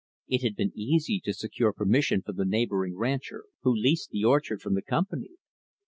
It had been easy to secure permission from the neighboring rancher who leased the orchard from the Company.